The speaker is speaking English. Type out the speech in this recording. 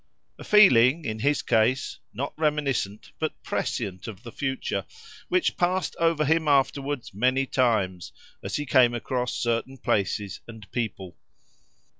—a feeling, in his case, not reminiscent but prescient of the future, which passed over him afterwards many times, as he came across certain places and people.